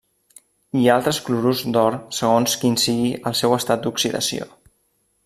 Hi ha altres clorurs d'or segons quin sigui el seu estat d'oxidació.